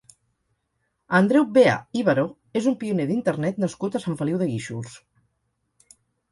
Andreu Veà i Baró és un pioner d'Internet nascut a Sant Feliu de Guíxols.